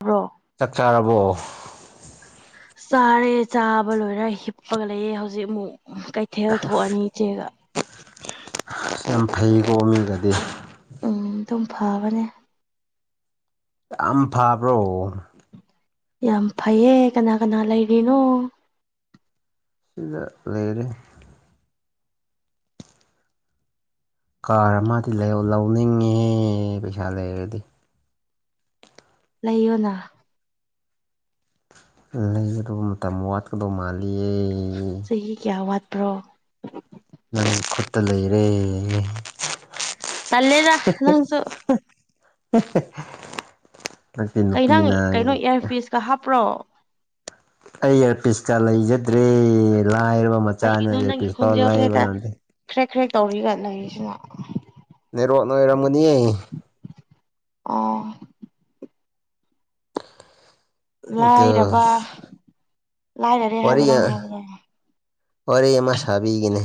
Bro ꯆꯥꯛ ꯆꯥꯔꯕꯣ ꯆꯥꯔꯦ ꯆꯥꯕ ꯂꯣꯏꯔ ꯍꯤꯞꯄꯒ ꯂꯩꯌꯦ ꯍꯧꯖꯤꯛ ꯑꯃꯨꯛ ꯀꯩꯊꯦꯜ ꯊꯣꯛꯑꯅꯤ ꯏꯆꯦꯒ ꯑꯁ ꯌꯥꯝ ꯐꯩꯀꯣ ꯃꯤꯒꯗꯤ ꯎꯝ ꯑꯗꯨꯝ ꯐꯕꯅꯦ ꯌꯥꯝ ꯐꯥꯕ꯭ꯔꯣ꯫ ꯌꯥꯝ ꯐꯩꯌꯦ ꯀꯅꯥ-ꯀꯅꯥ ꯂꯩꯔꯤꯅꯣ꯫ ꯁꯤꯗ ꯂꯩꯔꯤ꯫ ꯀꯥꯔ ꯑꯃꯗꯤ ꯂꯩ ꯂꯧꯅꯤꯡꯉꯦ ꯄꯩꯁꯥ ꯂꯩꯔꯗꯤ꯫ ꯂꯩꯌꯣꯅ꯫ ꯂꯩꯕꯗꫭ ꯃꯇꯝ ꯋꯥꯠꯀꯗꯧ ꯃꯥꯜꯂꯤꯌꯦ꯫ ꯆꯍꯤ ꯀꯌꯥ ꯋꯥꯠꯄ꯭ꯔꯣ꯫ ꯅꯪꯒꯤ ꯈꯨꯠꯇ ꯂꯩꯔꯦ꯫ ꯇꯜꯂꯦꯗ ꯅꯪꯁꯨ [unintelligible] [unintelligible] ꯅꯪꯁꯤ ꯅꯨꯄꯤꯅ [unintelligible] ꯀꯥ ꯍꯥꯞꯄ꯭ꯔꯣ꯫ ꯑꯩ ꯏꯌꯦꯔꯄꯤꯁꯀ ꯂꯩꯖꯗ꯭ꯔꯦ ꯂꯥꯏꯔꯕ ꯃꯆꯥꯅ ꯏꯌꯦꯔꯄꯤꯁ ꯐꯥꯎ ꯂꯩꯕ ꯉꯝꯗꯦ꯫ ꯈ꯭ꯔꯦꯛ-ꯈ꯭ꯔꯦꯛ ꯇꯧꯔꯤꯒꯥ ꯂꯩꯔꯤꯁꯤꯅ꯫ ꯅꯦꯠꯋꯥ꯭ꯔꯛꯅ ꯑꯣꯏꯔꯝꯒꯅꯤꯌꯦ꯫ ꯑꯣ꯫ ꯑꯗꯨ ꯂꯥꯏꯔꯕ ꯂꯥꯏꯔꯔꯦ ꯋꯥꯔꯤ ꯍꯥꯏꯕ ꯅꯪꯅ ꯍꯥꯏꯕꯗꯨꯕꯨ꯫ ꯋꯥꯔꯤ ꯑꯃ ꯁꯥꯕꯤꯒꯦꯅꯦ꯫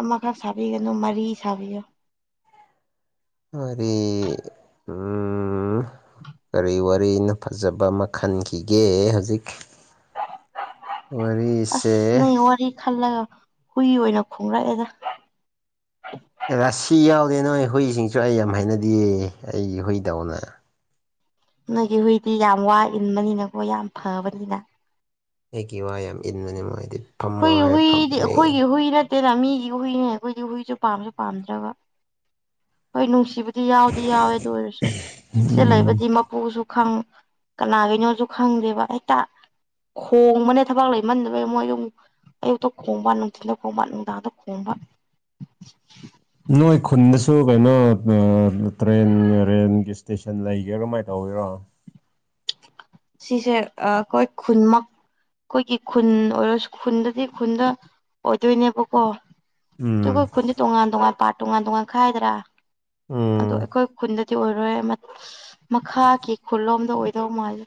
ꯑꯃꯈꯛ ꯁꯥꯕꯤꯒꯅꯨ ꯃꯔꯤ ꯁꯥꯕꯤꯌꫭ꯫ ꯋꯥꯔꯤ ꯎꯝ ꯀꯔꯤ ꯋꯥꯔꯤꯅꯣ꯫ ꯐꯖꯕ ꯑꯃ ꯈꯟꯈꯤꯒꯦ ꯍꯧꯖꯤꯛ ꯋꯥꯔꯤ ꯑꯁ ꯅꯪꯒꯤ ꯋꯥꯔꯤ ꯈꯜꯂꯒ ꯍꯨꯏ ꯑꯣꯏꯅ ꯈꯣꯡꯔꯛꯑꯦꯗ꯫ ꯔꯥꯁꯤ ꯌꯥꯎꯗꯦ ꯅꯣꯏ ꯍꯨꯏꯁꯤꯡꯁꯨ ꯑꯩ ꯌꯥꯝ ꯍꯥꯏꯅꯗꯤꯌꯦ ꯑꯩꯒꯤ ꯍꯨꯏꯗꯧꯅ꯫ ꯅꯣꯏꯒꯤ ꯍꯨꯏꯗꯤ ꯌꯥꯝ ꯋꯥ ꯏꯟꯕꯅꯤꯅ ꯀꯣ ꯌꯥꯝ ꯐꯕꯅꯤꯅ꯫ ꯑꯩꯒꯤ ꯋꯥ ꯌꯥꯝ ꯏꯟꯕꯅꯦ ꯃꯣꯏ꯫ ꯈꯣꯏꯒꯤ ꯍꯨꯏꯗꯤ ꯑꯩꯈꯣꯏꯒꯤ ꯍꯨꯏ ꯅꯠꯇꯦꯅ ꯃꯤꯒꯤ ꯍꯨꯏꯅꯦ ꯈꯣꯏꯗꯤ ꯍꯨꯏꯁꯨ ꯄꯥꯝꯁꯨ ꯄꯥꯝꯗ꯭ꯔꯒ꯫ ꯍꯣꯏ ꯅꯨꯡꯁꯤꯕꯨꯗꯤ ꯌꯥꯎꯗꯤ ꯌꯥꯎꯋꯦ ꯑꯗꯨ ꯑꯣꯏꯔꯁꯨ ꯁꯤ ꯂꯩꯕ ꯗꯤ ꯃꯄꯨꯁꯨ ꯈꯪ ꯀꯅꯥꯒꯤꯅꯣꯁꯨ ꯈꯪꯗꯦꯕ ꯍꯦꯛꯇ ꯈꯣꯡꯕꯅꯦ ꯊꯕꯛ ꯂꯩꯃꯟꯗꯕꯩ ꯃꯣꯏ ꯑꯗꯨꯝ ꯑꯌꯨꯛꯇ ꯈꯣꯡꯕ ꯅꯨꯡꯊꯤꯟꯗ ꯈꯣꯡꯕ ꯅꯨꯡꯗꯥꯡꯗ ꯈꯣꯡꯕ꯫ ꯅꯣꯏ ꯈꯨꯟꯗꯁꯨ ꯀꯩꯅꯣ ꯑ ꯇ꯭ꯔꯦꯟ ꯔꯦꯟꯒꯤ ꯏꯁ꯭ꯇꯦꯁ ꯁꯟ ꯂꯩꯒꯦꯔꯣ ꯃꯥꯏ ꯇꯧꯒꯦꯔꯣ꯫ ꯁꯤꯁꯦ ꯑ ꯈꯣꯏ ꯈꯨꯟꯃꯛ ꯈꯣꯏꯒꯤ ꯈꯨꯟ ꯑꯣꯏꯔꯁꯨ ꯈꯨꯟꯗꯗꯤ ꯈꯨꯟꯗ ꯑꯣꯏꯗꯣꯏꯅꯦꯕꯀꯣ꯫ ꯇꯨꯒ ꯎꯝ ꯈꯨꯟꯗꯤ ꯇꯣꯉꯥꯟ-ꯇꯣꯉꯥꯟ ꯄꯥꯠ ꯇꯣꯉꯥꯟ-ꯇꯣꯉꯥꯟ ꯈꯥꯏꯗꯔꯥ ꯑꯗꯣ ꯎꯝ ꯑꯩꯈꯣꯏ ꯈꯨꯟꯗ ꯇꯤ ꯑꯣꯏꯔꯣꯏ ꯃꯠ ꯃꯈꯥꯒꯤ ꯈꯨꯜꯂꯣꯝꯗ ꯑꯣꯏꯗꯧ ꯃꯥꯜꯂꯤ꯫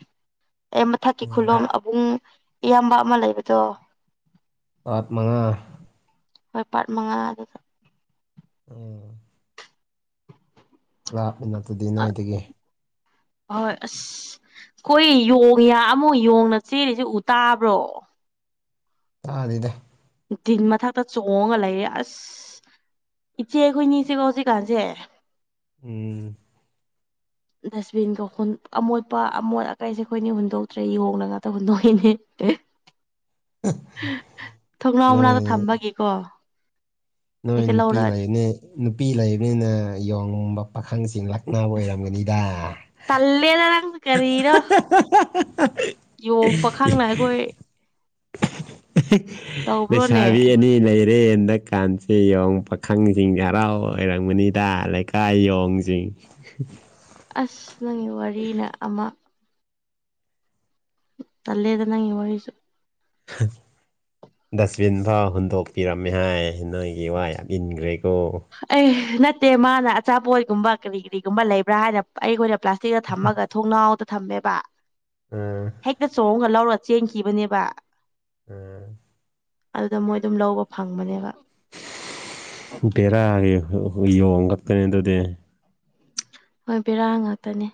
ꯑꯦ ꯃꯊꯛꯀꯤ ꯈꯨꯜꯂꯣꯝ ꯑꯕꯨꯡ ꯏꯌꯥꯝꯕ ꯑꯃ ꯂꯩꯕꯗꯣ꯫ ꯄꯥꯠ ꯃꯉꯥ꯫ ꯍꯣꯏ ꯄꯥꯔꯠ ꯃꯉꯥ ꯑꯗꯨꯗ꯫ [inaudible] ꯂꯥꯞꯃꯤ ꯅꯠꯇꯗꯤ ꯅꯣꯏꯗꯒꯤ꯫ ꯍꯣꯏ ꯑꯁ ꯈꯣꯏ ꯌꯣꯡ ꯌꯥ ꯑꯃꯨ ꯌꯣꯡꯅ ꯆꯦꯜꯂꯤꯁꯦ ꯎ ꯇꯥꯕ꯭ꯔꯣ꯫ ꯇꯥꯗꯦꯗ꯫ ꯇꯤꯟ ꯃꯊꯛꯇ ꯆꯣꯡꯉ ꯂꯩꯔꯦ ꯑꯁ ꯏꯆꯦ ꯑꯩꯈꯣꯏꯅꯤꯖꯦꯀꯣ ꯍꯧꯖꯤꯛꯀꯥꯟꯁꯦ꯫ ꯎꯝ꯫ ꯗꯁꯕꯤꯟꯒ ꯍꯨꯟ ꯑꯃꯣꯠꯄ ꯑꯃꯣꯠ ꯑꯀꯥꯏꯖꯦ ꯑꯩꯈꯣꯏꯅꯤ ꯍꯨꯟꯗꯣꯛꯇ꯭ꯔꯦ ꯌꯣꯡꯅ ꯉꯥꯛꯇ ꯍꯨꯟꯗꯣꯛꯏꯅꯦ꯫ ꯊꯣꯡꯅꯥꯎ ꯃꯅꯥꯛꯗ ꯅꯣꯏ ꯊꯝꯕꯒꯤꯀꯣ ꯅꯣꯏ ꯍꯦꯛꯇ ꯅꯨꯄꯤ ꯂꯧꯔ ꯂꯩꯕꯅꯤ ꯅꯨꯄꯤ ꯂꯩꯕꯅꯤꯅ ꯌꯣꯡꯒꯨꯝꯕ ꯄꯥꯈꯪꯁꯤꯡ ꯂꯥꯛ ꯉꯥꯎꯕ ꯑꯣꯏꯔꯝꯒꯅꯤꯗ ꯇꯜꯂꯦꯗ ꯅꯪ ꯀꯔꯤꯅꯣ ꯌꯣꯡ ꯄꯥꯈꯪꯂ ꯑꯒ‌ꯣꯏ ꯇꯧꯕ꯭ꯔꯣꯅꯦ ꯂꯩꯩꯁꯥꯕꯤ ꯑꯅꯤ ꯂꯩ ꯔꯦ ꯍꯟꯗꯛꯀꯥꯟꯁꯦ ꯌꯣꯡ ꯄꯥꯈꯪꯖꯤꯡ ꯍꯔꯥꯎ ꯑꯣꯏꯔꯝꯒꯅꯤꯗ ꯂꯩꯀꯥꯏ ꯌꯣꯡꯖꯤꯡ [unintelligible] ꯑꯁ ꯅꯪꯒꯤ ꯋꯥꯔꯤꯅ ꯑꯝꯃꯥ ꯇꯜꯂꯦꯗ ꯅꯪꯒꯤ ꯋꯥꯔꯤꯁꯨ [unintelligible] ꯗꯁꯕꯤꯟ ꯐꯥꯎ ꯍꯨꯟꯗꯣꯛꯄꯤꯔꯝꯃꯦ ꯍꯥꯏ ꯅꯣꯏꯒꯤ ꯋꯥ ꯌꯥꯝ ꯏꯟꯒ꯭ꯔꯦꯀꯣ ꯑꯩ ꯅꯠꯇꯦ ꯃꯥꯅ ꯑꯆꯥꯄꯣꯠ ꯀꯨꯝꯕ ꯀꯔꯤ ꯀꯔꯤꯒꯨꯝꯕ ꯂꯩꯕ꯭ꯔꯥ ꯍꯥꯏꯅ ꯑꯩꯈꯣꯏꯗ ꯄ꯭ꯂꯥꯁꯇꯤ ꯗ ꯊꯝꯃꯒ ꯊꯣꯡꯅꯥꯎꯗ ꯊꯝꯃꯦꯕ ꯎꯝ ꯍꯦꯛꯇ ꯆꯣꯡꯒ ꯂꯧꯔ ꯆꯦꯟꯈꯤꯕꯅꯦꯕ ꯎꯝ ꯑꯗꯨꯗ ꯃꯣꯏ ꯗꯨꯝ ꯂꯧꯕ ꯐꯪꯕꯅꯦꯕ ꯕꯦꯔꯥꯒꯤ [unintelligible] ꯌꯣꯡꯉꯥꯛꯇꯅ‌ꯦ ꯑꯗꯨꯗꯤ ꯍꯣꯏ ꯕꯦꯔꯥ ꯉꯥꯛꯇꯅꯦ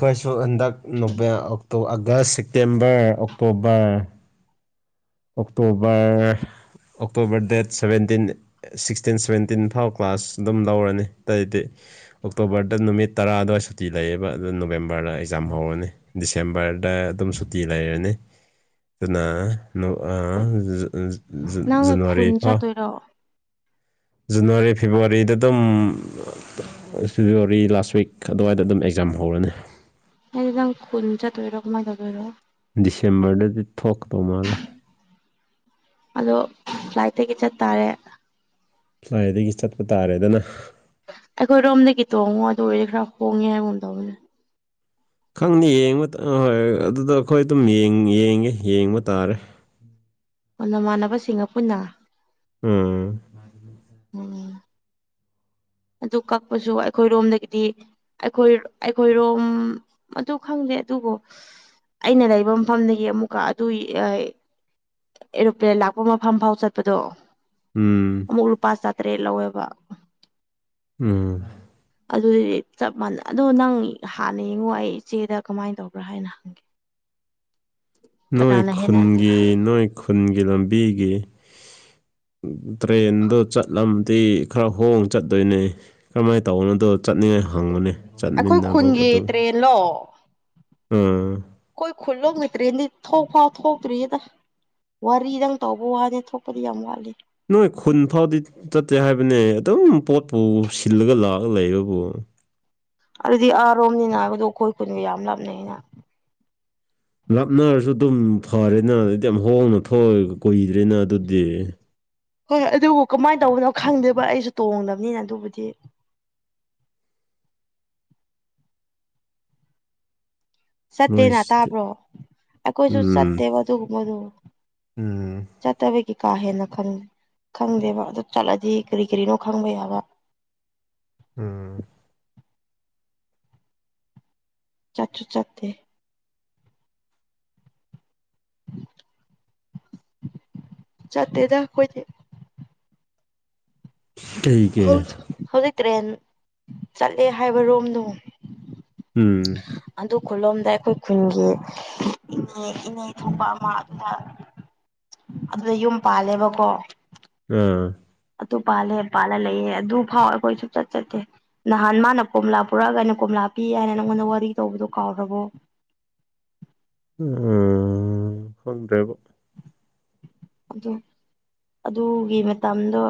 ꯈꯣꯏꯁꯨ ꯍꯟꯗꯛ ꯅ‌ꯣꯕ‌ꯦ ꯑ‌ꯣꯛꯇ‌ꯣ August September October October October date seventeen sixteen seventeen ꯐꯥꯎ ꯀ꯭ꯂꯥꯁ ꯗꯨꯝ ꯂꯧꯔꯅꯤ ꯇꯩꯗꯤ ꯑꯣꯛꯇꯣꯕꯔꯗ ꯅꯨꯃꯤꯠ ꯇꯔꯥ ꯑꯗꯨꯋꯥꯏ ꯁꯨꯇꯤ ꯂꯩꯌꯦꯕ ꯑꯗꯨ ꯅꯣꯕꯦꯝꯕꯔꯗ ꯑꯦꯖꯥꯝ ꯍꯧꯔꯅꯤ ꯗꯤꯁꯦꯝꯕꯔꯗ ꯑꯗꯨꯝ ꯁꯨꯇꯤ ꯂꯩꯔꯅꯤ ꯗꯨꯅ ꯅꯣ ꯑ ꯖꯨ [unintelligible] ꯖꯨꯟ ꯅꯪ ꯖꯨꯟꯋꯥꯔꯤ ꯈꯨꯟ ꯐꯥꯎ ꯆꯠꯇꯣꯏꯔꯣ ꯖꯟꯅꯋꯥꯔꯤ ꯐꯦꯕꯋꯥꯔꯤꯗ ꯗꯨꯝ ꯐꯦꯕꯋꯥꯔꯤ ꯂꯥꯁ ꯋꯤꯛ ꯈꯗꯨꯋꯥꯏꯗ ꯑꯗꯨꯝ ꯑꯦꯛꯖꯥꯝ ꯍꯧꯔꯅꯤ ꯑ‌ꯦ ꯑꯗꯨꯗꯤ ꯅꯪ ꯈꯨꯟ ꯆꯠꯇꯣꯏꯔ‌ꯣ ꯀꯃꯥꯏ ꯇꯧꯗꯣꯏꯔ‌ꯣ ꯗꯤꯁꯦꯝꯕꯔꯗꯗꯤ ꯊꯣꯛꯀꯗꯧ ꯃꯥꯜꯂꯦ ꯑꯗꯣ ꯐ꯭ꯂꯥꯏꯠꯇꯒꯤ ꯆꯠ ꯇꯥꯔꯦ ꯐꯂꯥꯏꯗꯒꯤ ꯆꯠꯄ ꯇꯥꯔꯦꯗꯅ ꯑꯩꯈꯣꯏ ꯔꯣꯝꯗꯒꯤ ꯇꯣꯡꯉꯣ ꯑꯗꯨ ꯑꯣꯏꯔ ꯈꯔ ꯍꯣꯡꯉꯦ ꯍꯥꯏꯒꯨꯝ ꯗꯧꯕꯅꯦ ꯈꯪꯅꯤ ꯌꯦꯡꯕ ꯑ ꯍꯣꯏ ꯑꯗꯨꯗ ꯑꯈꯣꯏ ꯑꯗꯨꯝ ꯌꯦꯡ ꯌ‌ꯦꯡꯉꯦ ꯌꯦꯡꯕ ꯇꯥꯔꯦ ꯑ ꯅꯃꯥꯟꯅꯕꯁꯤꯡꯒ ꯄꯨꯟꯅ ꯎꯝ [unintelligible] ꯑꯗꯨ ꯀꯛꯄꯁꯨ ꯑꯩꯈꯣꯏꯔꯣꯝꯗꯒꯤꯗꯤ ꯑꯩꯈꯣꯏ ꯑꯩꯈꯣꯏꯔꯣꯝ ꯑꯗꯨ ꯈꯪꯗꯦ ꯑꯗꯨꯕꯨ ꯑꯩꯅ ꯂꯩꯕ ꯃꯐꯝꯗꯒꯤ ꯑꯃꯨꯛꯀ ꯑꯗꯨ [unintelligible] ꯑꯦꯔꯣꯄ‌ꯦ ꯂꯥꯛꯄ ꯃꯐꯝ ꯐꯥꯎ ꯆꯠꯄꯗꯣ ꯎꯝ ꯑꯃꯨꯛ ꯂꯨꯄꯥ ꯆꯥꯇꯔꯦꯠ ꯂꯧꯋꯦꯕ ꯎꯝ ꯑꯗꯨꯗꯤ ꯆꯞ ꯃꯥꯟꯅ ꯑꯗꯣ ꯅꯪ ꯍꯥꯟꯅ ꯌꯦꯡꯉꯣ ꯑꯩ ꯏꯆꯦꯗ ꯀꯃꯥꯏꯟ ꯇꯧꯕ꯭ꯔꯥ ꯍꯥꯏꯅ ꯍꯪꯒꯦ [inaudible] ꯅꯣꯏ ꯀꯅꯥꯅ ꯍꯦꯟꯅ ꯈꯨꯟꯒꯤ ꯅꯣꯏ ꯈꯨꯟꯒꯤ ꯂꯝꯕꯤꯒꯤ꯫ ꯇ꯭ꯔꯦꯟꯗꯣ ꯆꯠꯂꯝꯗꯤ ꯈꯔ ꯍꯣꯡ ꯆꯠꯇꯣꯏꯅꯦ꯫ ꯀꯔꯝꯃꯥꯏꯅ ꯇꯧꯕꯅꯣꯗꯣ ꯆꯠꯅꯤꯡꯉꯥꯏ ꯍꯪꯕꯅꯦ꯫ ꯑꯩꯈꯣꯏ ꯈꯨꯟꯒꯤ ꯇ꯭ꯔꯦꯟꯂꯣ꯫ ꯑꯥ ꯑꯩꯈꯣꯏ ꯈꯨꯜꯂꯣꯝꯒꯤ ꯇ꯭ꯔꯦꯟꯗꯤ ꯊꯣꯛ ꯐꯥꯎ ꯊꯣꯛ ꯇ꯭ꯔꯤꯑꯦꯗ꯫ ꯋꯥꯔꯤꯗꯪ ꯇꯧꯕ ꯋꯥꯅꯤ ꯊꯣꯛꯄꯗꯤ ꯌꯥꯝ ꯋꯥꯠꯂꯤ꯫ ꯅꯣꯏ ꯈꯨꯟ ꯐꯥꯎꯗꯤ ꯆꯠꯇꯦ ꯍꯥꯏꯕꯅꯦ ꯑꯗꯨꯝ ꯄꯣꯠꯄꯨ ꯁꯤꯜꯂꯒ ꯂꯥꯛꯑꯒ ꯂꯩꯕꯕꯨ꯫ ꯑꯗꯨꯗꯤ ꯑꯥꯔꯣꯝꯅꯤꯅ ꯅꯥꯕꯗꯣ ꯑꯩꯈꯣꯏ ꯀꯨꯟꯒ ꯌꯥꯝ ꯂꯥꯞꯅꯩꯩꯅ꯫ ꯂꯥꯞꯅꯔꯁꯨ ꯑꯗꯨꯝ ꯐꯔꯦꯅ ꯑꯩꯗꯤ ꯌꯥꯝ ꯍꯣꯡꯅꯪꯊꯣꯛꯑꯒ ꯀꯨꯏꯗ꯭ꯔꯦꯅ ꯑꯗꯨꯗꯤ꯫ ꯍꯣꯏ ꯑꯗꯨꯕꯨ ꯀꯃꯥꯏꯅ ꯇꯧꯕꯅꯣ ꯈꯪꯗꯦꯕ ꯑꯩꯁꯨ ꯇꯣꯡꯗꯕꯅꯤꯅ ꯑꯗꯨꯕꯨꯗꯤ꯫ ꯆꯠꯇꯦꯅ ꯅꯣꯏꯁꯤꯗꯤ ꯇꯥꯕ꯭ꯔꯣ ꯑꯩꯈꯣꯏꯁꯨ ꯎꯝ ꯆꯠꯇꯦꯕ ꯑꯗꯨꯒꯨꯝꯕꯗꯨ꯫ ꯎꯝ ꯆꯠꯇꯕꯒꯤ ꯀꯥ ꯍꯦꯟꯅ ꯈꯪꯗꯦ ꯈꯪꯗꯦꯕ ꯑꯗꯨ ꯆꯠꯂꯗꯤ ꯀꯔꯤ ꯀꯔꯤꯅꯣ ꯈꯪꯕ ꯌꯥꯕ꯫ ꯎꯝ꯫ ꯆꯥꯠꯨ ꯆꯠꯇꯦ꯫ ꯆꯠꯇꯦꯗ ꯑꯈꯣꯏꯗꯤ꯫ ꯍꯧ ꯀꯩꯒꯤ ꯍꯧꯖꯤꯛ ꯇ꯭ꯔꯦꯟ ꯆꯠꯂꯦ ꯍꯥꯏꯕ ꯔꯣꯝꯗꯣ꯫ ꯎꯝ꯫ ꯑꯗꯨ ꯈꯨꯂꯣꯝꯗ ꯑꯩꯈꯣꯏ ꯈꯨꯟꯒꯤ ꯏꯅꯦ ꯏꯅꯦ ꯊꯣꯛꯄ ꯑꯃ ꯑꯗꯨꯗ ꯑꯗꯨꯗ ꯌꯨꯝ ꯄꯥꯜꯂꯦꯕꯀꯣ꯫ ꯎꯝ꯫ ꯑꯗꯨ ꯄꯥꯜꯂꯦ ꯄꯥꯜꯂ ꯂꯩꯌꯦ ꯑꯗꯨ ꯐꯥꯎꯋꯦ ꯑꯩꯈꯣꯏ ꯁꯨꯡꯆꯠ ꯆꯠꯇꯦ꯫ ꯅꯍꯥꯟ ꯃꯥꯅ ꯀꯣꯝꯂꯥ ꯄꯨꯔꯛꯑꯒ ꯑꯩꯅ ꯀꯣꯝꯂꯥ ꯄꯤ ꯍꯥꯏꯅ ꯅꯪꯉꯣꯟꯗ ꯋꯥꯔꯤ ꯇꯧꯕꯗꯨꯣ ꯀꯥꯎꯔꯕꯣ꯫ ꯎꯝ ꯈꯪꯗ꯭ꯔꯦꯕꯨ꯫ ꯑꯗꯨ ꯑꯗꯨꯒꯤ ꯃꯇꯝꯗꯣ꯫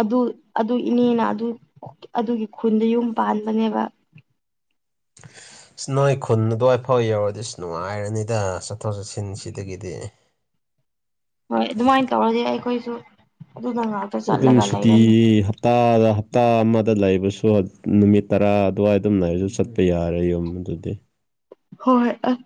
ꯑꯗꯨ ꯑꯗꯨ ꯏꯅꯦꯅ ꯑꯗꯨ ꯑꯗꯨꯒꯤ ꯈꯨꯟꯗ ꯌꯨꯝ ꯄꯥꯟꯕꯅꯦꯕ꯫ [inaudible] ꯏꯁ ꯅꯣꯏ ꯈꯨꯟ ꯑꯗꯨꯋꯥꯏꯐꯥꯎ ꯌꯧꯔꯗꯤ ꯏꯁ ꯅꯨꯡꯉꯥꯏꯔꯅꯤꯗ ꯆꯠꯊꯣꯛ ꯆꯠꯁꯤꯟꯁꯤꯗꯒꯤꯗꯤ꯫ ꯍꯣꯏ ꯑꯗꯨꯃꯥꯏꯅ ꯇꯧꯔꯗꯤ ꯑꯩꯈꯣꯏꯁꯨ ꯑꯗꯨꯅ ꯉꯥꯏ ꯑꯗꯨꯝ ꯁꯨꯇꯤ ꯍꯥꯞ꯫ ꯍꯞꯇꯥꯗ ꯍꯞꯇꯥ ꯑꯃꯗ ꯂꯩꯕꯁꯨ ꯅꯨꯃꯤꯠ ꯇꯔꯥ ꯑꯗꯨꯋꯥꯏ ꯑꯗꯨꯝ ꯂꯩꯔꯁꯨ ꯆꯠꯄ ꯌꯥꯔꯦ ꯌꯨꯝ ꯑꯗꯨꯗꯤ꯫ ꯍꯣꯏ ꯑꯥ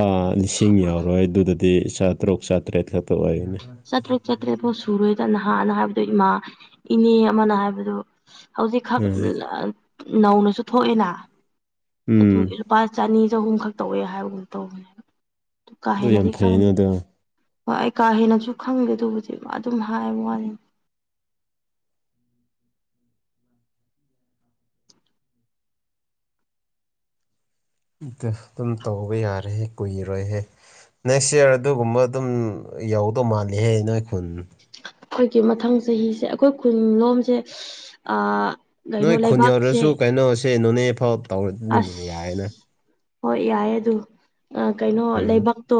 ꯑꯥ ꯂꯤꯁꯤꯡ ꯌꯥꯎꯔꯣꯏ ꯑꯗꯨꯗꯗꯤ ꯆꯥꯇꯔꯨꯛ ꯆꯥꯇ꯭ꯔꯦꯠ ꯈꯛꯇ ꯑꯣꯏꯒꯅꯤ꯫ ꯆꯠꯇꯔꯨꯛ ꯆꯠꯇ꯭ꯔꯦꯠ ꯐꯥꯎ ꯁꯨꯔꯣꯏꯗ ꯅꯍꯥꯟꯅ ꯍꯥꯏꯕꯗꯨ ꯏꯃꯥ ꯏꯅꯦ ꯑꯃꯅ ꯍꯥꯏꯕꯗꯨ꯫ ꯍꯧꯖꯤꯛꯈꯛ ꯎꯝ ꯅꯧꯅꯁꯨ ꯊꯣꯛꯑꯦꯅ ꯎꯝ ꯑꯗꯨꯒꯤ꯫ ꯂꯨꯄꯥ ꯆꯅꯤ ꯆꯍꯨꯝꯈꯛ ꯇꯧꯋꯦ ꯍꯥꯏꯕꯒꯨꯝꯕ ꯇꯧꯕꯅꯦꯕ ꯑꯗꯨ ꯀꯥ ꯌꯥꯝ ꯍꯦꯟꯅꯗꯤ ꯐꯩꯅ ꯈꯪꯗꯦ꯫ ꯑꯗꯣ ꯍꯣꯏ ꯑꯩ ꯀꯥ ꯍꯦꯟꯅꯁꯨ ꯈꯪꯗꯦ ꯑꯗꯨꯕꯨꯗꯤ ꯑꯗꯨꯝ ꯍꯥꯏꯕ ꯋꯥꯅꯤ ꯑꯗꯨꯝ ꯇꯧꯕ ꯌꯥꯔꯦꯍꯦ ꯀꯨꯏꯔꯣꯏꯍꯦ꯫ ꯅꯦꯛꯁ ꯏꯌꯥꯔ ꯑꯗꯨꯒꯨꯝꯕ ꯑꯗꯨꯝ ꯌꯧꯗꯧ ꯃꯥꯜꯂꯤꯍꯦ ꯅꯣꯏ ꯈꯨꯟ꯫ ꯑꯩꯈꯣꯏꯒꯤ ꯃꯊꯪ ꯆꯍꯤꯁꯦ ꯑꯩꯈꯣꯏ ꯈꯨꯟꯂꯣꯝꯁꯦ ꯑꯥ ꯅꯣꯏ ꯈꯨꯟ ꯌꯧꯗꯔꯁꯨ ꯀꯩꯅꯣꯁꯦ ꯅꯣꯅꯦꯐꯥꯎ ꯇꯧꯔꯗꯤ ꯑꯗꯨꯝ ꯑꯁ ꯌꯥꯔꯦꯅ꯫ ꯍꯣꯏ ꯌꯥꯏ ꯑꯗꯨ ꯀꯩꯅꯣ ꯎꯝ ꯂꯩꯕꯥꯛꯇꯣ꯫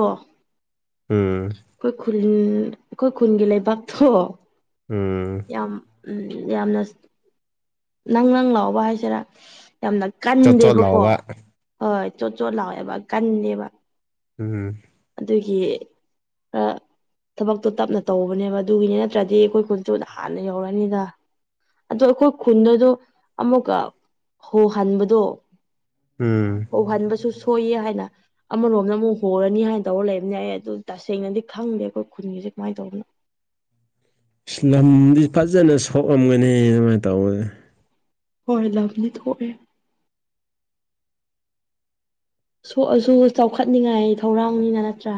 ꯎꯝ꯫ ꯑꯩꯈꯣꯏ ꯈꯨꯟ ꯑꯩꯈꯣꯏ ꯈꯨꯟꯒꯤ ꯂꯩꯕꯥꯛꯇꯣ꯫ ꯎꯝ꯫ ꯌꯥꯝ ꯌꯥꯝꯅ ꯅꯪ ꯅꯪ ꯂꯥꯎꯕ ꯍꯥꯏꯁꯤꯔꯥ꯫ ꯌꯥꯝꯅ ꯆꯣꯠ ꯆꯣꯠ ꯀꯟꯗꯦꯕꯀꯣ ꯂꯥꯎꯕ ꯍꯣꯏ ꯆꯣꯠ ꯆꯣꯠ ꯂꯥꯎꯑꯦꯕ ꯀꯟꯗꯦꯕ ꯎꯝ ꯑꯗꯨꯒꯤ ꯈꯔ ꯊꯕꯛꯇꯣ ꯇꯞꯅ ꯇꯧꯕꯅꯦꯕ ꯑꯗꯨꯒꯤꯅꯦ ꯅꯠꯇ꯭ꯔꯗꯤ ꯑꯩꯈꯣꯏ ꯀꯨꯟ ꯁꯨ ꯅꯍꯥꯟꯅ ꯌꯧꯔꯛꯑꯅꯤ ꯗ ꯑꯗꯣ ꯑꯩꯈꯣꯏ ꯈꯨꯟꯗꯗꯣ ꯑꯃꯨꯛꯀ ꯍꯣꯍꯟꯕꯗꯣ ꯎꯝ ꯑꯣꯍꯟꯕꯁꯨ ꯁꯣꯏꯌꯦ ꯍꯥꯏꯅ ꯑꯃꯔꯣꯝꯗ ꯑꯃꯨꯛ ꯍꯣꯔꯅꯤ ꯍꯥꯏꯅ ꯇꯧꯔ ꯂꯩꯕꯅꯤ ꯑꯩ ꯑꯗꯨ ꯇꯁꯦꯡꯅꯗꯤ ꯈꯪꯗꯦ ꯑꯩꯈꯣꯏ ꯈꯨꯟꯒꯤꯁꯦ ꯀꯃꯥꯏꯅ ꯇꯧꯕꯅꯣ ꯂꯝꯗꯤ ꯐꯖꯅ ꯁꯣꯛꯔꯝꯒꯅꯤ ꯑꯗꯨꯃꯥꯏꯅ ꯇꯧꯕꯁꯦ ꯍꯣꯏ ꯂꯝꯗꯤ ꯊꯣꯛꯑꯦ ꯁꯣꯛꯑꯁꯨ ꯆꯥꯎꯈꯠꯅꯤꯡꯉꯥꯏ ꯊꯧꯔꯥꯡꯅꯤꯅ ꯅꯠꯇ꯭ꯔꯥ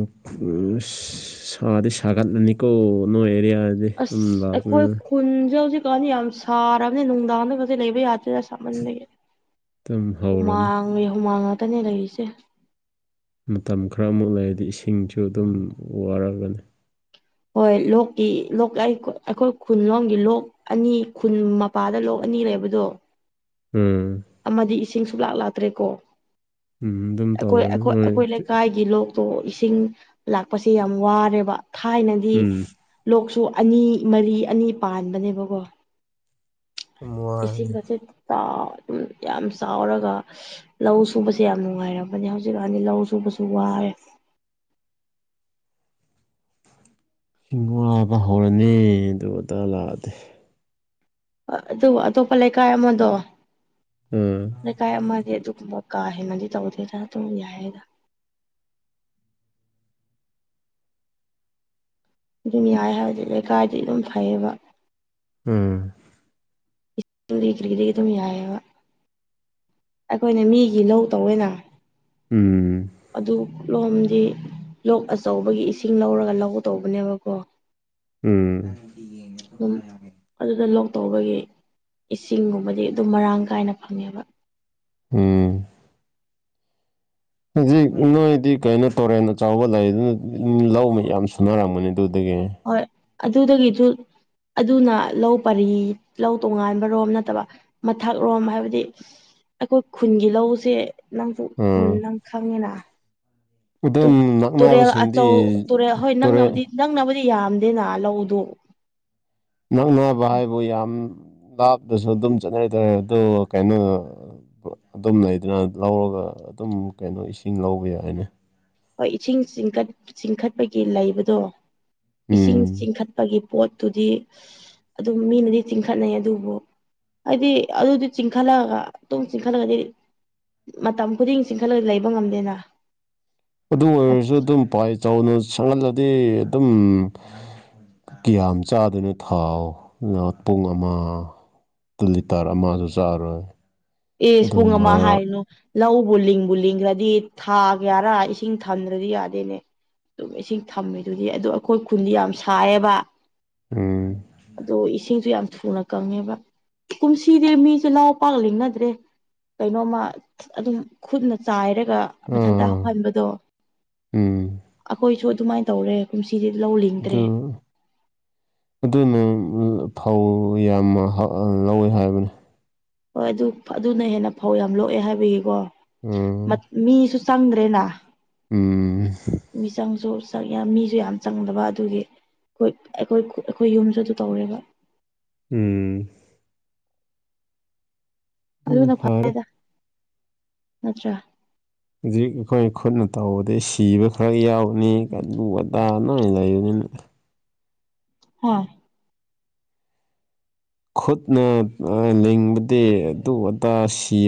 ꯑꯁ ꯁꯥꯗꯤ ꯁꯥꯒꯠꯂꯅꯤꯀꯣ ꯅꯣꯏ ꯑꯦꯔꯤꯌꯥ ꯑꯁ ꯑꯩꯈꯣꯏ ꯈꯨꯟꯁꯦ ꯍꯧꯖꯤꯛꯀꯥꯟꯗꯤ ꯌꯥꯝ ꯁꯥꯔꯕꯅꯤ ꯅꯨꯡꯗꯥꯡꯗꯒꯁꯦ ꯂꯩꯕ ꯌꯥꯗꯦ ꯑꯁ ꯁꯥꯃꯜꯂꯦ ꯑꯗꯨꯝ ꯍꯧꯔꯅꯤ ꯍꯨꯃꯥꯡꯒꯤ ꯍꯨꯃꯥꯡ ꯉꯥꯛꯇꯅꯦ ꯂꯩꯔꯤꯁꯦ ꯃꯇꯝ ꯈꯔꯃꯨꯛ ꯂꯩꯔꯗꯤ ꯏꯁꯤꯡꯁꯨ ꯑꯗꯨꯝ ꯋꯥꯔꯒꯅꯤ ꯍꯣꯏ ꯂꯣꯛꯀꯤ ꯂꯣꯛ ꯂꯥꯏ ꯑꯩꯈꯣꯏ ꯈꯨꯟꯂꯣꯝꯒꯤ ꯂꯣꯛ ꯑꯅꯤ ꯈꯨꯟ ꯃꯄꯥꯗ ꯂꯣꯛ ꯑꯅꯤ ꯂꯩꯕꯗꯣ ꯎꯝ ꯑꯃꯗꯤ ꯏꯁꯤꯡ ꯁꯨꯡꯂꯥꯛ ꯂꯥꯛꯇ꯭ꯔꯦꯀꯣ ꯎꯝ ꯑꯗꯨꯝ ꯑꯩꯈꯣꯏ ꯇꯧꯔꯅꯤ ꯑꯩꯈꯣꯏ ꯍꯣꯏ ꯑꯩꯈꯣꯏ ꯂꯩꯀꯥꯏꯒꯤ ꯂꯣꯛ ꯇꯣ ꯏꯁꯤꯡ ꯂꯥꯛꯄꯁꯦ ꯌꯥꯝ ꯋꯥꯔꯦꯕ ꯊꯥꯏꯅꯗꯤ ꯎꯝ ꯂꯣꯛꯁꯨ ꯑꯅꯤ ꯃꯔꯤ ꯑꯅꯤ ꯄꯥꯟꯕꯅꯦꯕꯀꯣ ꯌꯥꯝ ꯋꯥꯔꯅꯤ ꯏꯁꯤꯡꯒꯁꯦ ꯇꯥ ꯎꯝ ꯌꯥꯝ ꯆꯥꯎꯔꯒ ꯂꯧ ꯁꯨꯕꯁꯦ ꯌꯥꯝ ꯅꯨꯡꯉꯥꯏꯔꯕꯅꯦ ꯍꯧꯖꯤꯛꯀꯥꯟꯗꯤ ꯂꯧ ꯁꯨꯕꯁꯨ ꯋꯥꯔꯦ ꯍꯤꯡꯉ꯭ꯋꯥꯏꯕ ꯍꯧꯔꯅꯤ ꯑꯗꯨꯗꯥ ꯂꯥꯛꯑꯗꯤ ꯑꯗꯨ ꯑꯇꯣꯞꯄ ꯂꯩꯀꯥꯏ ꯑꯃꯗꯣ ꯎꯝ ꯂꯩꯀꯥꯏ ꯑꯃꯗꯤ ꯑꯗꯨꯒꯨꯝꯕ ꯀꯥ ꯍꯦꯟꯅꯗꯤ ꯇꯧꯗꯦꯗ ꯑꯗꯨꯝ ꯌꯥꯏꯌꯦꯗ ꯑꯗꯨꯝ ꯌꯥꯏ ꯍꯥꯏꯕꯗꯤ ꯂꯩꯀꯥꯏꯗꯤ ꯑꯗꯨꯝ ꯐꯩꯌꯦꯕ ꯎꯝ ꯏ ꯗꯒꯤ ꯀꯔꯤ ꯗꯒꯤ ꯑꯗꯨꯝ ꯌꯥꯏꯌꯦꯕ ꯑꯩꯈꯣꯏꯅ ꯃꯤꯒꯤ ꯂꯧ ꯇꯧꯋꯦꯅ ꯎꯝ ꯑꯗꯨ ꯂꯣꯝꯗꯤ ꯂꯣꯛ ꯑꯆꯧꯕꯒꯤ ꯏꯁꯤꯡ ꯂꯧꯔꯒ ꯂꯧ ꯇꯧꯕꯅꯦꯕꯀꯣ ꯎꯝ ꯗꯨꯝ ꯑꯗꯨꯗ ꯂꯣꯛ ꯇꯧꯕꯒꯤ ꯏꯁꯤꯡꯒꯨꯝꯕꯗꯤ ꯑꯗꯨꯝ ꯃꯔꯥꯡ ꯀꯥꯏꯅ ꯐꯪꯉꯦꯕ ꯎꯝ ꯍꯧꯖꯤꯛ ꯏ ꯅꯣꯏꯗꯤ ꯀꯩꯅꯣ ꯇꯣꯔꯦꯟ ꯑꯆꯥꯎꯕ ꯂꯩ ꯗꯨꯅ ꯂꯧ ꯃꯌꯥꯝ ꯁꯨꯅꯔꯝꯒꯅꯤ ꯑꯗꯨꯗꯒꯤ ꯍꯣꯏ ꯑꯗꯨꯗꯒꯤꯁꯨ ꯑꯗꯨꯅ ꯂꯧ ꯄꯔꯤ ꯂꯧ ꯇꯣꯉꯥꯟꯕꯔꯣꯝ ꯅꯠꯇꯕ ꯃꯊꯛꯔꯣꯝ ꯍꯥꯏꯕꯗꯤ ꯑꯩꯈꯣꯏ ꯈꯨꯟꯒꯤ ꯂꯧꯁꯦ ꯅꯪꯁꯨ ꯎꯝ ꯃꯨꯟꯅ ꯈꯪꯉꯦꯅ ꯇꯨ ꯑꯗꯨꯝ ꯇꯨꯔꯦꯜ ꯅꯛꯅꯕꯁꯤꯡꯗꯤ ꯑꯆꯧ ꯇꯨꯔꯦꯜ ꯍꯣꯏ ꯇꯨꯔꯦꯟ ꯅꯪꯅꯕꯨꯗꯤ ꯅꯪꯅꯕꯨꯗꯤ ꯌꯥꯝꯗꯦꯅ ꯂꯧꯗꯨ ꯅꯛꯅꯕ ꯍꯥꯏꯕꯨ ꯌꯥꯝ ꯂꯥꯞꯅꯁꯨ ꯑꯗꯨꯝ ꯆꯠꯅꯩ ꯇꯥꯔꯦ ꯑꯗꯣ ꯀꯩꯅꯣ ꯑꯗꯨꯝ ꯂꯩꯗꯅ ꯂꯧꯔꯒ ꯑꯗꯨꯝ ꯀꯩꯅꯣ ꯏꯁꯤꯡ ꯂꯧꯋꯦ ꯍꯥꯏꯅꯦ ꯍꯣꯏ ꯏꯁꯤꯡ ꯆꯤꯡꯈꯠ ꯆꯤꯡꯈꯠꯄꯒꯤ ꯂꯩꯕꯗꯣ ꯏꯁꯤꯡ ꯎꯝ ꯆꯤꯡꯈꯠꯄꯒꯤ ꯄꯣꯠꯇꯨꯗꯤ ꯑꯗꯨꯝ ꯃꯤꯅꯗꯤ ꯆꯤꯡꯈꯠꯅꯩ ꯑꯗꯨꯕꯨ ꯍꯥꯏꯗꯤ ꯑꯗꯨꯗꯤ ꯆꯤꯡꯈꯠꯂꯛꯒ ꯑꯗꯨꯨꯡ ꯆꯤꯡꯈꯠꯂꯒꯗꯤ ꯃꯇꯝ ꯈꯨꯗꯤꯡ ꯆꯤꯡꯈꯠꯂꯒ ꯂꯩꯕ ꯉꯝꯗꯦꯅ ꯑꯗꯨ ꯑꯣꯏꯔꯁꯨ ꯑꯗꯨꯝ ꯄꯥꯏ ꯆꯥꯎꯅ ꯁꯪꯍꯜꯂꯗꯤ ꯑꯗꯨꯝ ꯀꯤꯌꯥꯝ ꯆꯥꯗꯨꯅ ꯊꯥꯎ ꯉꯥꯏꯍꯥꯛ ꯄꯨꯡ ꯑꯃ ꯇꯨ ꯂꯤꯇꯔ ꯑꯃꯖꯨ ꯆꯥꯔꯣꯏ ꯏꯁ ꯄꯨꯡ ꯑꯗꯨꯝ ꯑꯃ ꯍꯥꯏꯅꯨ ꯂꯧꯕꯨ ꯂꯤꯡꯕꯨ ꯂꯤꯡꯈ꯭ꯔꯗꯤ ꯊꯥ ꯀꯌꯥꯔꯥ ꯏꯁꯤꯡ ꯊꯟꯗ꯭ꯔꯗꯤ ꯌꯥꯗꯦꯅꯦ ꯑꯗꯨꯝ ꯏꯁꯤꯡ ꯊꯝꯃꯤꯗꯨꯗꯤ ꯑꯗꯨ ꯑꯩꯈꯣꯏ ꯈꯨꯟꯗꯤ ꯌꯥꯝ ꯁꯥꯏꯌꯦꯕ ꯎꯝ ꯑꯗꯣ ꯏꯁꯤꯡ ꯏꯁꯤꯡꯁꯨ ꯌꯥꯝ ꯊꯨꯅ ꯀꯪꯉꯦꯕ ꯀꯨꯝꯁꯤꯗꯤ ꯃꯤꯁꯨ ꯂꯧ ꯄꯥꯛ ꯂꯤꯡꯅꯗꯦ ꯔꯦ ꯀꯩꯅꯣꯃ ꯑꯗꯨꯝ ꯈꯨꯠꯅ ꯆꯥꯏꯔꯒ ꯃꯊꯟꯇ ꯍꯧ ꯑꯥ ꯍꯟꯕꯗꯣ ꯎꯝ ꯑꯩꯈꯣꯏꯁꯨ ꯑꯗꯨꯃꯥꯏꯅ ꯇꯧꯔꯦ ꯀꯨꯝꯁꯤꯗꯤ ꯂꯧꯂꯤꯡ ꯑꯗꯨ ꯑꯗꯨꯅ ꯐꯧ ꯌꯥꯝꯅ ꯍꯧ ꯂꯧꯋꯦ ꯍꯥꯏꯕꯅꯤ ꯍꯣꯏ ꯑꯗꯨ ꯑꯗꯨꯅ ꯍꯦꯟꯅ ꯐꯧ ꯌꯥꯝ ꯂꯣꯛꯑꯦ ꯍꯥꯏꯕꯒꯤꯀꯣ ꯎꯝ ꯃꯠ ꯃꯤꯁꯨ ꯆꯪꯗ꯭ꯔꯦꯅꯥ ꯎꯝ ꯃꯤꯆꯪꯖꯨ [unintelligible] ꯃꯤꯁꯨ ꯌꯥꯝ ꯆꯪꯗꯕ ꯑꯗꯨꯒꯤ ꯑꯩꯈꯣꯏ ꯑꯩꯈꯣꯏ ꯑꯩꯈꯣꯏ ꯌꯨꯝꯁꯨ ꯑꯗꯨ ꯇꯧꯔꯦꯕ ꯎꯝ ꯑꯗꯨꯅ ꯐꯔꯦꯗ ꯅꯠꯇ꯭ꯔꯥ ꯍꯧꯖꯤꯛ ꯑꯩꯈꯣꯏ ꯈꯨꯠꯅ ꯇꯧꯕꯗꯤ ꯁꯤꯕ ꯈꯔ ꯌꯥꯎꯅꯤ ꯀꯥꯏ ꯑꯗꯨꯑꯗꯥ ꯅꯣꯏ ꯂꯩꯕꯅꯤꯅ ꯍꯣꯏ ꯈꯨꯠꯅ ꯂꯤꯡꯕꯗꯤ ꯑꯗꯨ ꯑꯗꯥꯁꯤ